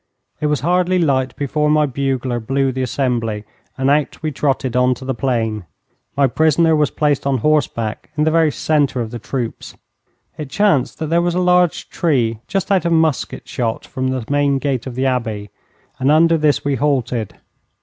It was hardly light before my bugler blew the assembly, and out we trotted on to the plain. My prisoner was placed on horseback in the very centre of the troops. It chanced that there was a large tree just out of musket shot from the main gate of the Abbey, and under this we halted.